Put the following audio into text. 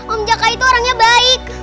om jaka itu orangnya baik